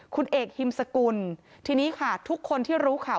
คุณเอกฮิมสกุลทีนี้ค่ะทุกคนที่รู้ข่าว